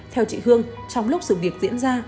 theo chị hương trong lúc sự việc diễn ra